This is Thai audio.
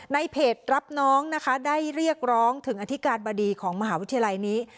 ในเพจรับน้องนะคะได้เรียกร้องถึงอธิการบดีของมหาวิทยาลัยนี้